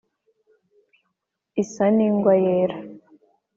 isa n’ingwa yera